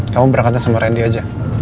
kamu berangkatnya sama randy aja